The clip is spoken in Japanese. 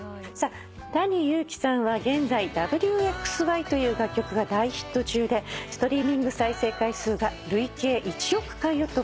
ＴａｎｉＹｕｕｋｉさんは現在『Ｗ／Ｘ／Ｙ』という楽曲が大ヒット中でストリーミング再生回数が累計１億回を突破。